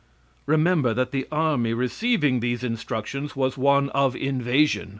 Remember that the army receiving these instructions was one of invasion.